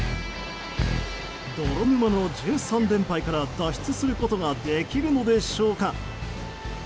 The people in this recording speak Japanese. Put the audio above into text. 泥沼の１３連敗から脱出することはできるのでしょうか。